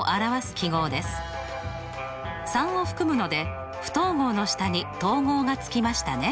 ３を含むので不等号の下に等号がつきましたね。